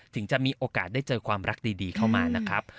ถึงจะมีโอกาสได้เจอความรักดีเข้ามานะครับ